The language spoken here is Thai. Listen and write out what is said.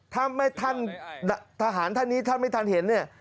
ถ้าท่านทหารท่านนี้ท่านไม่ทันเห็นเนี่ย